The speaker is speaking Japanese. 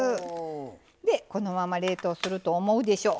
でこのまま冷凍すると思うでしょ？